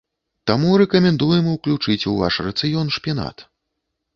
Таму рэкамендуем уключыць у ваш рацыён шпінат.